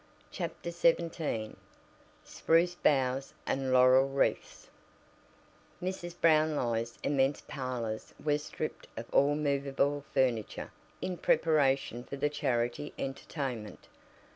CHAPTER XVII SPRUCE BOUGHS AND LAUREL WREATHS Mrs. Brownlie's immense parlors were stripped of all movable furniture in preparation for the charity entertainment.